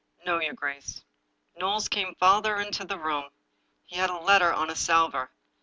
" No, your grace." Knowles came farther into the room. He had a letter •on a salver.